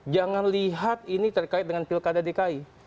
jangan lihat ini terkait dengan pilkada dki